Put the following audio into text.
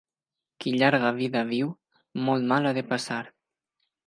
Qui llarga vida viu, molt mal ha de passar.